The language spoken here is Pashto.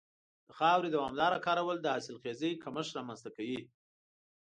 د خاورې دوامداره کارول د حاصلخېزۍ کمښت رامنځته کوي.